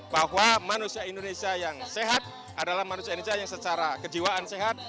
bahwa manusia indonesia yang sehat adalah manusia indonesia yang secara kejiwaan sehat